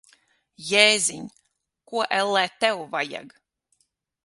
Jēziņ! Ko, ellē, tev vajag?